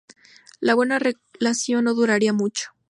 La buena relación no duraría mucho.